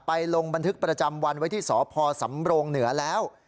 ลงบันทึกประจำวันไว้ที่สพสำโรงเหนือแล้ว